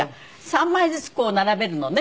３枚ずつこう並べるのね。